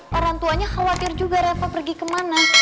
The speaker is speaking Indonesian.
parantuanya khawatir juga reva pergi kemana